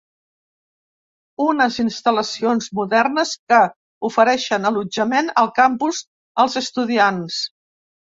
Unes instal·lacions modernes que ofereixen allotjament al campus als estudiants.